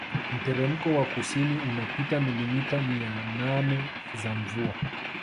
Mteremko wa kusini unapata milimita mia name za mvua